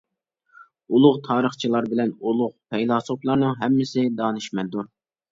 ئۇلۇغ تارىخچىلار بىلەن ئۇلۇغ پەيلاسوپلارنىڭ ھەممىسى دانىشمەندۇر.